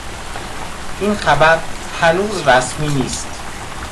این خبر هنوز رسمی نیست.